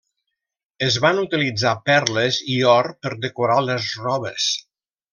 Es van utilitzar perles i or per decorar les robes.